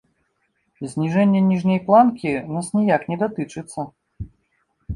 Зніжэнне ніжняй планкі нас ніяк не датычыцца.